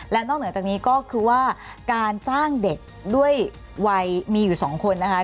และนอกเหนือจากนี้ก็คือว่าการจ้างเด็กด้วยวัยมีอยู่๒คนนะคะ